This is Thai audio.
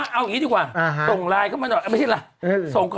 บ้านฉันก็สูงเกินจริง